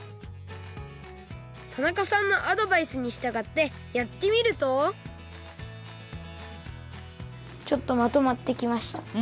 田中さんのアドバイスにしたがってやってみるとちょっとまとまってきました。